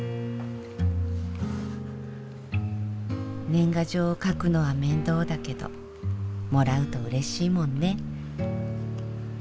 年賀状を書くのは面倒だけどもらうとうれしいもんね。